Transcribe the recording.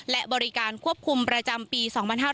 และบริการควบคุมประจำปี๒๕๕๙